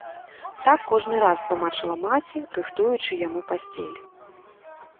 Так кожны раз тлумачыла маці, рыхтуючы яму пасцель.